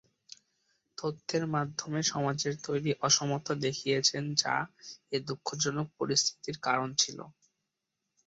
তথ্যের মাধ্যমে সমাজের তৈরি অসমতা দেখিয়েছেন যা এ দুঃখজনক পরিস্থিতির কারণ ছিল।